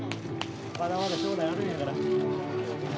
まだまだ将来あるんやから。